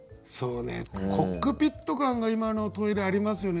コックピット感が今のトイレありますよね。